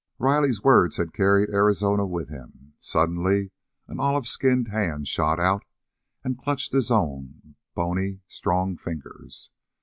Riley's words had carried Arizona with him. Suddenly an olive skinned hand shot out and clutched his own bony, strong fingers.